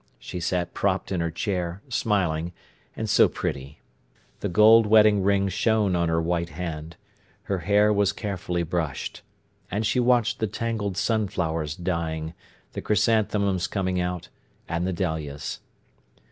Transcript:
She sat propped in her chair, smiling, and so pretty. The gold wedding ring shone on her white hand; her hair was carefully brushed. And she watched the tangled sunflowers dying, the chrysanthemums coming out, and the dahlias.